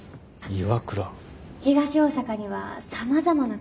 東大阪にはさまざまな工場があります。